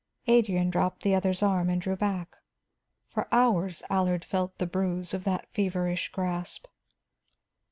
Adrian dropped the other's arm and drew back; for hours Allard felt the bruise of that feverish grasp.